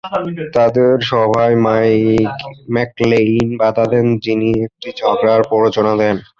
তাদের সভায় ম্যাকলেইন বাধা দেন, যিনি একটি ঝগড়ার প্ররোচনা দেন।